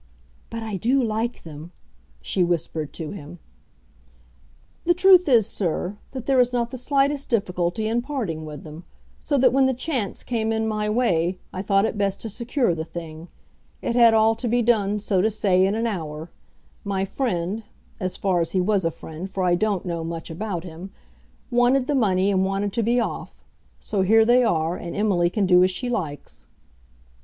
"But I do like them," she whispered to him. "The truth is, sir, that there is not the slightest difficulty in parting with them. So that when the chance came in my way I thought it best to secure the thing. It had all to be done, so to say, in an hour. My friend, as far as he was a friend, for I don't know much about him, wanted the money and wanted to be off. So here they are, and Emily can do as she likes."